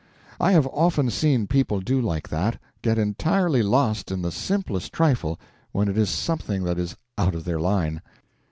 I have often seen people do like that—get entirely lost in the simplest trifle, when it is something that is out of their line.